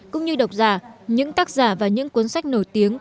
cũng như độc giả những tác giả và những cuốn sách nổi tiếng